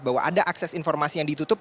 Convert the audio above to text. bahwa ada akses informasi yang ditutup